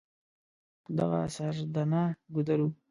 دغه سردنه ګودر و.